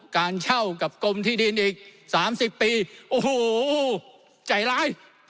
การเช่ากับกรมที่ดินอีก๓๐ปีโอ้โหใจร้าย